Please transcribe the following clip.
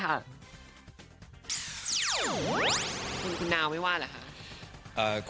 คุณคุณนาวไม่ว่าอะไรคะ